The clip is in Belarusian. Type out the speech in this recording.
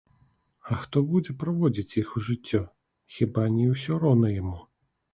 А хто будзе праводзіць іх у жыццё, хіба не ўсё роўна яму?